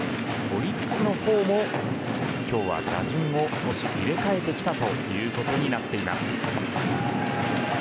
オリックスの方も今日は打順を少し入れ替えてきたということになっています。